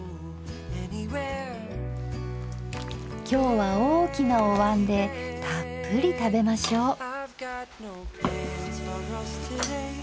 今日は大きなお椀でたっぷり食べましょう。